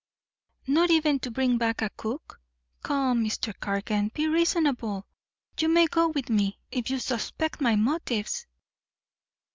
"Not even to bring back a cook. Come, Mr. Cargan, be reasonable. You may go with me, if you suspect my motives."